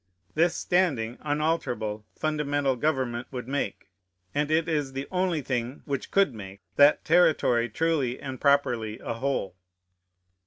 This standing, unalterable, fundamental government would make, and it is the only thing which could make, that territory truly and properly a whole.